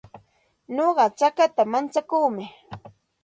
Nuqa chakata mantsakuumi.